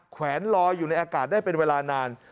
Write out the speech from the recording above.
แวนลอยอยู่ในอากาศได้เป็นเวลานาน